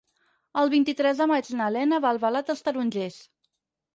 El vint-i-tres de maig na Lena va a Albalat dels Tarongers.